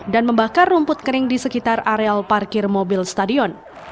dan membakar rumput kering di sekitar areal parkir mobil stadion